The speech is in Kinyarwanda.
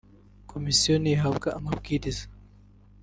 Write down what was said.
Komisiyo ntihabwa amabwiriza